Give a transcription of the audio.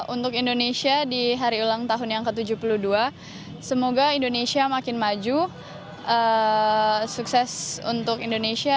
untuk indonesia di hari ulang tahun yang ke tujuh puluh dua semoga indonesia makin maju sukses untuk indonesia